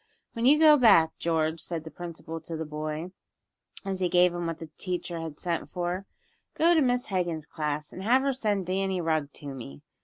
"When you go back, George," said the principal to the boy, as he gave him what the teacher had sent for, "go to Miss Hegan's class, and have her send Danny Rugg to me.